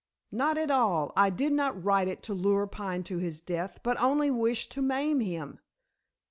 "Not at all. I did not write it to lure Pine to his death, but only wished to maim him."